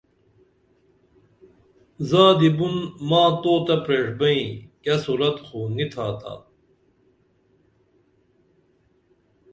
زادی بُن ما توتہ پریݜبئیں کیہ صورت خو نی تھاتا